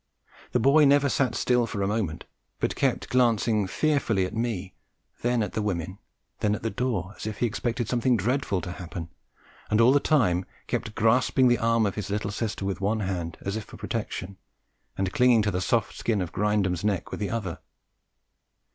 The boy never sat still for a moment, but kept glancing fearfully at me, then at the women, and then at the door, as if he expected something dreadful to happen, and all the time kept grasping the arm of his little sister with one hand as if for protection, and clinging to the soft skin of Grindum's neck with the other.